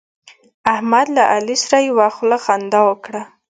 احمد له علي سره یوه خوله خندا وکړه.